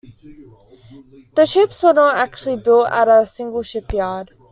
The ships were not actually built at a single shipyard.